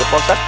oh pak hintung